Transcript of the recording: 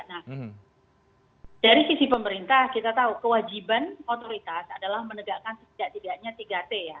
nah dari sisi pemerintah kita tahu kewajiban otoritas adalah menegakkan setidak tidaknya tiga t ya